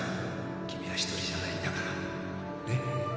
君は１人じゃないんだから。ね？